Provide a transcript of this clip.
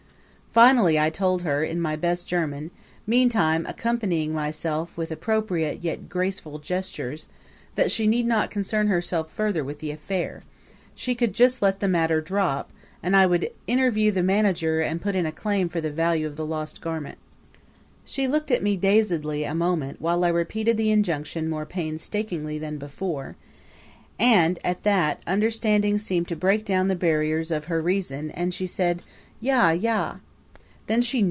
Finally I told her in my best German, meantime accompanying myself with appropriate yet graceful gestures, that she need not concern herself further with the affair; she could just let the matter drop and I would interview the manager and put in a claim for the value of the lost garment. She looked at me dazedly a moment while I repeated the injunction more painstakingly than before; and, at that, understanding seemed to break down the barriers of her reason and she said, "Ja! Ja!"